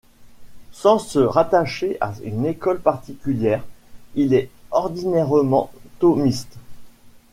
Sans se rattacher à une école particulière, il est ordinairement thomiste.